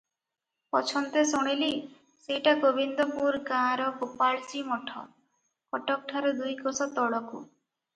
ପଛନ୍ତେ ଶୁଣିଲି, ସେଇଟା ଗୋବିନ୍ଦପୁର ଗାଁର ଗୋପାଳଜୀ ମଠ, କଟକଠାରୁ ଦୁଇକୋଶ ତଳକୁ ।